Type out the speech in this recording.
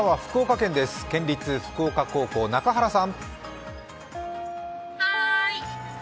県立福岡高校、中原さん。